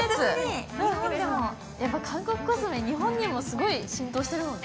やっぱ韓国コスメ、日本にもすごい浸透してるもんね。